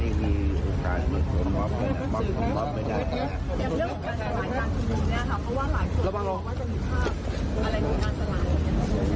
ผลเอกลวิทย์บอกว่าห่วงเรื่องมือที่๓แล้วก็ได้กำชับเจ้าหน้าที่ไปแล้วว่าต้องไม่ให้เกิดขึ้นนะฮะ